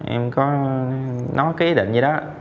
em có nói cái ý định như đó